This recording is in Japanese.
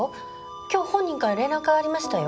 今日本人から連絡がありましたよ。